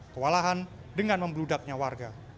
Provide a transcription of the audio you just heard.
kewalahan dengan membeludaknya warga